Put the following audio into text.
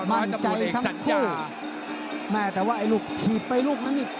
มันใจทั้งคู่แม่แต่ว่าไอลูกถีดไปลูกนั้นรู้สิ